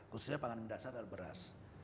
khususnya pangan dasar dari beras